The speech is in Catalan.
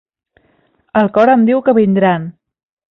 El cor em diu que vindran.